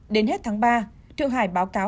đến hết tháng ba thượng hải báo cáo